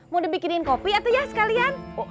mau dibikinin kopi atau ya sekalian